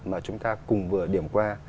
mà chúng ta cùng vừa điểm qua